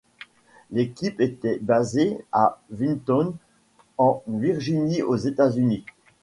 L'équipe était basée à Vinton en Virginie aux États-Unis.